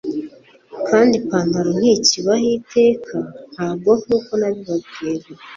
kandi ipantaro ntikibaho iteka, ntabwo nkuko nabibabwira